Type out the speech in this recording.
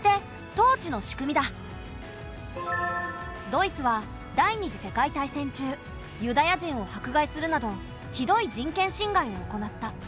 ドイツは第２次世界大戦中ユダヤ人を迫害するなどひどい人権侵害を行った。